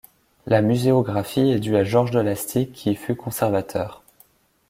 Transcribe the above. La muséographie est due à Georges de Lastic qui y fut conservateur.